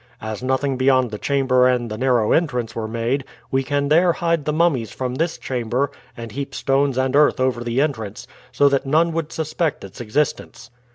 As nothing beyond the chamber and the narrow entrance were made, we can there hide the mummies from this chamber and heap stones and earth over the entrance, so that none would suspect its existence."